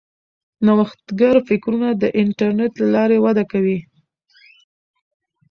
نوښتګر فکرونه د انټرنیټ له لارې وده کوي.